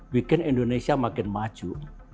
bikin indonesia makin maju